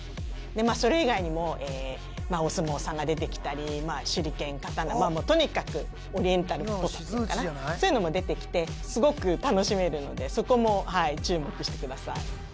それ以外にもお相撲さんが出てきたり手裏剣、刀とにかくオリエンタルっぽさっていうかなそういうのも出てきてすごく楽しめるのでそこも注目してください。